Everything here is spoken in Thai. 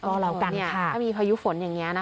ถ้ามีภายุฝนอย่างนี้